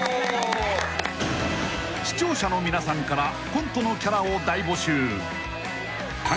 ［視聴者の皆さんからコントのキャラを大募集］